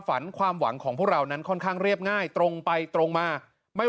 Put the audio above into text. ความหวังของพวกเรานั้นค่อนข้างเรียบง่ายตรงไปตรงมาไม่